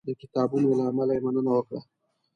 د کتابونو له امله یې مننه وکړه.